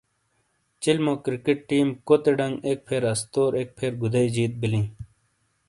چلمو کرکٹ ٹیم کوتے ڈنگ ایک پھیر استور ایک پھیر گدٸی جیت بیلیٸی ۔